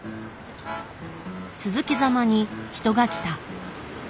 続けざまに人が来た。